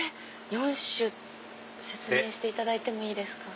４種説明していただいてもいいですか？